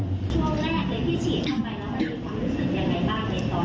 เกือบ